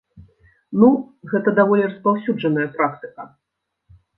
Ну, гэта даволі распаўсюджаная практыка.